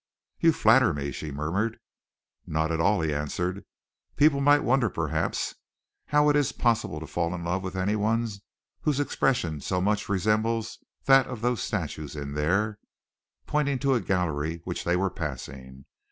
"You flatter me," she murmured. "Not at all," he answered. "People might wonder, perhaps, how it is possible to fall in love with anyone whose expression so much resembles that of those statues in there," pointing to a gallery which they were passing.